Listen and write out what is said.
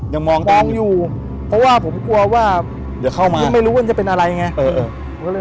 ยังมองตรงนี้ยังมองอยู่เพราะว่าผมกลัวว่าเขาก็ไม่รู้ว่าจะเป็นอะไรไงเดี๋ยวเข้ามา